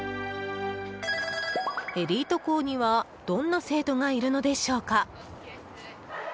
エリート校にはどんな生徒がいるのでしょうか。